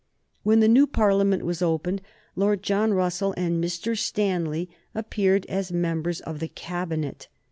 When the new Parliament was opened, Lord John Russell and Mr. Stanley appeared as members of the Cabinet.